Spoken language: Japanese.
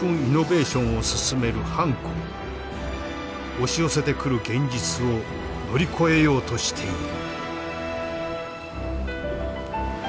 押し寄せてくる現実を乗り越えようとしている。